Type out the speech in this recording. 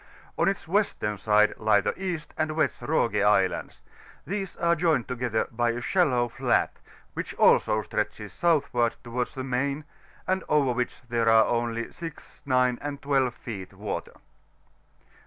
On its western side lie the East and West Roge Islands : these are joined together bj a shallow fiaJt^ which also stretches southward towards the main, and over which there are only 6, 9, and 12 feet water.